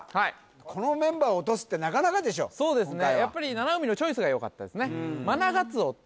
このメンバー落とすってなかなかでしょそうですね